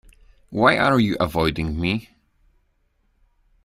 Why are you avoiding me?